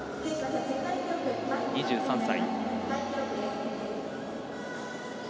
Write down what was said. ２３歳。